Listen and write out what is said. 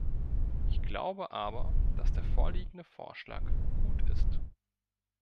Ich glaube aber, dass der vorliegende Vorschlag gut ist.